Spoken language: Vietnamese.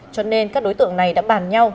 cho nên các đối tượng này đã bàn nhau